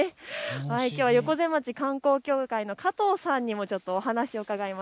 きょうは横瀬町観光協会の加藤さんにお話を伺います。